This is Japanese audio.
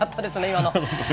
今の。